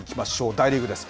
大リーグです。